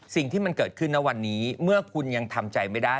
สิ่งที่มันเกิดขึ้นนะวันนี้เมื่อคุณยังทำใจไม่ได้